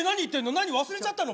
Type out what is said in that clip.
何忘れちゃったの？